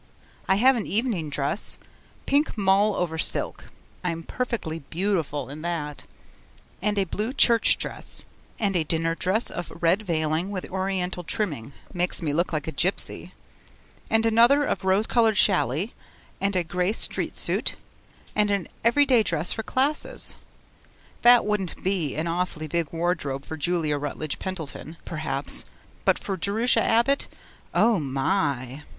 I have an evening dress, pink mull over silk (I'm perfectly beautiful in that), and a blue church dress, and a dinner dress of red veiling with Oriental trimming (makes me look like a Gipsy), and another of rose coloured challis, and a grey street suit, and an every day dress for classes. That wouldn't be an awfully big wardrobe for Julia Rutledge Pendleton, perhaps, but for Jerusha Abbott Oh, my!